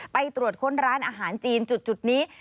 ไปตรวจค้นร้านอาหารจีนจุดนี้